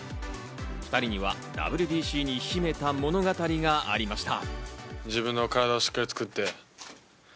２人にはＷＢＣに秘めた物語がありました。